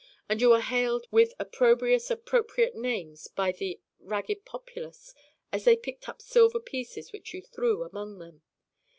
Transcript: And you were hailed with opprobrious appropriate names by the ragged populace as they picked up silver pieces which you threw among them.